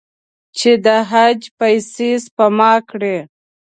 چې د حج پیسې سپما کړي.